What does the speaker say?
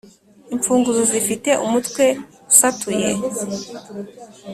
Imfunguzo zifite umutwe usatuye